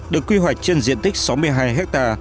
được quy hoạch trên diện tích sáu mươi hai ha